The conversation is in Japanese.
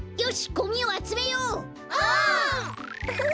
ウフフ。